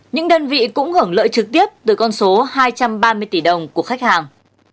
những đơn vị cũng hưởng lợi trực tiếp từ con số hai trăm ba mươi tỷ đồng của khách hàng